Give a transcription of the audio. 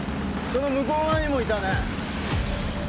その向こう側にもいたね